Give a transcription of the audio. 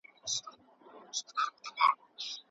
ښه خوب کار اسانه کوي.